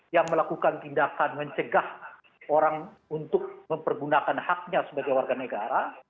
yang melakukan tindakan mencegah orang untuk mempergunakan haknya sebagai warga negara